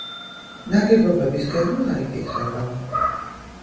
ნაგებობის გეგმა არ იკითხება.